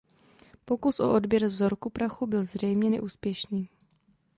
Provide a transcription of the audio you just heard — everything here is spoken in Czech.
Pokus o odběr vzorku prachu byl zřejmě neúspěšný.